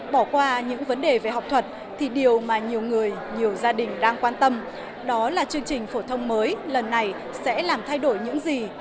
bỏ qua những vấn đề về học thuật thì điều mà nhiều người nhiều gia đình đang quan tâm đó là chương trình phổ thông mới lần này sẽ làm thay đổi những gì